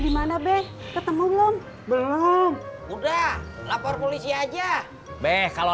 dia mana baik ketemu belum belum udah lapor polisi ajaachment kalau